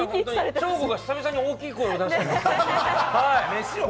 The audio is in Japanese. ショーゴが久々に大きい声を出しています。